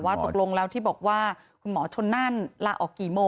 คุณหมอชนหน้าเนี่ยคุณหมอชนหน้าเนี่ย